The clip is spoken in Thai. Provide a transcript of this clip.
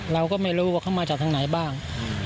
เราก็ไม่รู้ว่าเขามาจากทางไหนบ้าง